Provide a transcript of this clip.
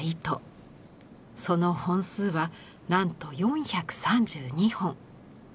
その本数はなんと４３２本。